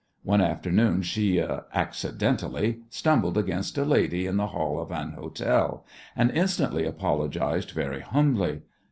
One afternoon she "accidentally" stumbled against a lady in the hall of an hotel, and instantly apologized very humbly.